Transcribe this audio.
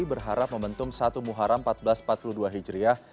berharap momentum satu muharam seribu empat ratus empat puluh dua hijriah